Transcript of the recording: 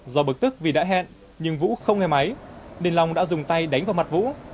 do bực tức vì đã hẹn nhưng vũ không hề máy nên long đã dùng tay đánh vào mặt vũ